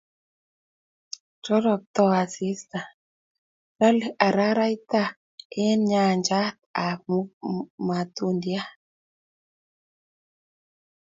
Roroktoi asista, lolei araraita eng yangchat ab matundiat